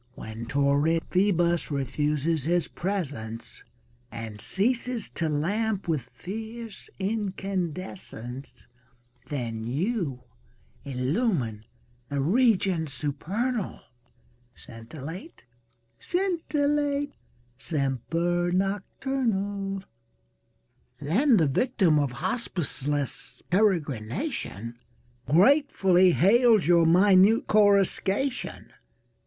When torrid Phoebus refuses his presence And ceases to lamp with fierce incandescence^ Then you illumine the regions supernal. Scintillate, scintillate, semper nocturnal. Saintc Margirie 4T7 Then the yictiin of hospiceless peregrination Gratefully hails your minute coruscation.